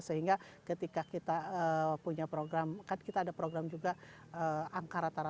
sehingga ketika kita punya program kan kita ada program juga angkarataranya